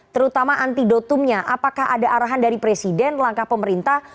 terutama antidotumnya apakah ada arahan dari presiden langkah pemerintah